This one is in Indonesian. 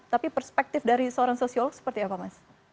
tapi perspektif dari seorang sosiolog seperti apa mas